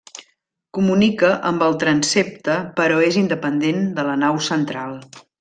Comunica amb el transsepte però és independent de la nau central.